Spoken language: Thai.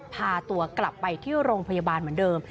พาตัวกลับไปที่โรงพยาบาลเหมือนเดิม